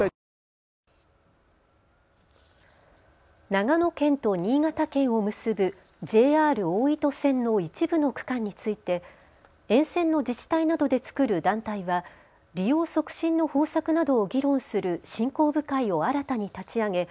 長野県と新潟県を結ぶＪＲ大糸線の一部の区間について沿線の自治体などで作る団体は利用促進の方策などを議論する振興部会を新たに立ち上げ